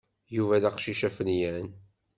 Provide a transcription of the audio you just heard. Yuba d aqcic afenyan.